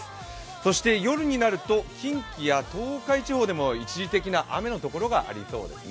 そして夜になると近畿や東海地方でも一時的に雨の所がありそうですね。